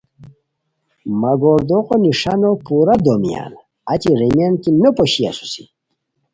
مہ گوردوغو نِݰانو پورا دومیان، اچی ریمیان کی نو پوشی اسوسی